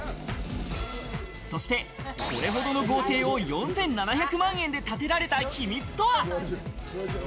そして、これほどの豪邸を４７００万円で建てられた秘密とは？